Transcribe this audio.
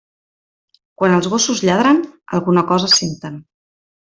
Quan els gossos lladren, alguna cosa senten.